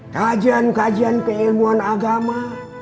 kajian kajian keilmuan agama